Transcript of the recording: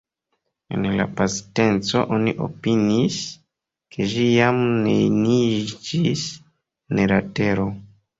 En la pasinteco oni opiniis, ke ĝi jam neniiĝis en la tero.